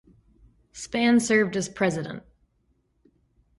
Spahn served as president.